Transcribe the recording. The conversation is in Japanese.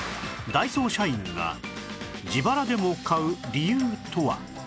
ダイソー社員が自腹でも買う理由とは？